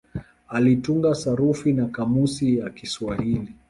Alitunga sarufi na kamusi ya Kiswahili.